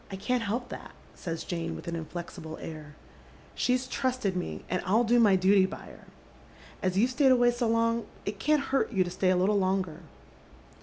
" I can't help that," says Jane, with an inflexible air. " She's trusted me, and I'll do my dooty by her. As you've sfeiyed away 8o long it can't hurt you to stay a little longer."